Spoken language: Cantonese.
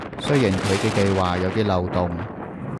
雖然佢嘅計畫有啲漏洞